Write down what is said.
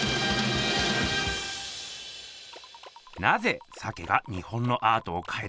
なぜ鮭が日本のアートを変えたのか。